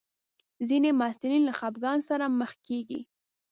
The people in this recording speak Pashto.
ځینې محصلین له خپګان سره مخ کېږي.